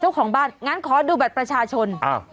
เจ้าของบ้านงั้นขอดูบัตรประชาชนอ้าว